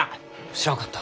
知らんかった。